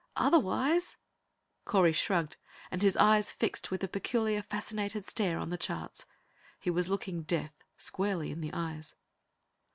"Otherwise " Correy shrugged, and his eyes fixed with a peculiar, fascinated stare on the charts. He was looking death squarely in the eyes.